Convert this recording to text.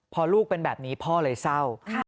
พอลูกเป็นแบบนี้พ่อเลยเศร้า